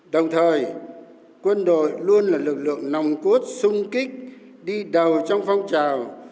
đồng thời quân đội luôn là lực lượng nòng cốt sung kích đi đầu trong phong trào